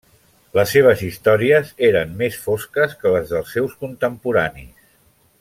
Les seves històries eren més fosques que les dels seus contemporanis.